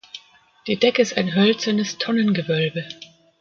Die Decke ist ein hölzernes Tonnengewölbe.